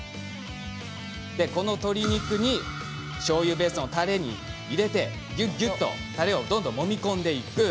でこの鶏肉にしょうゆベースのたれに入れてギュッギュッとたれをどんどんもみ込んでいく。